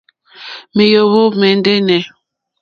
Mèóhwò mɛ̀ndɛ́nɛ̀.